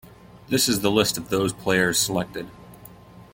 This is the list of those players selected.